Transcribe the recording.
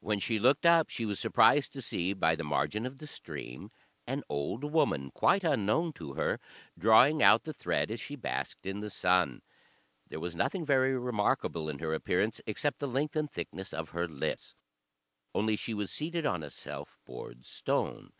When she looked up, she was surprised to see by the margin of the stream an old woman, quite unknown to her, drawing out the thread as she basked in the sun. There was nothing very remarkable in her appearance, except the length and thickness of her lips, only she was seated on a self bored stone.